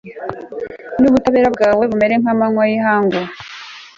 n'ubutabera bwawe, bumere nk'amanywa y'ihangu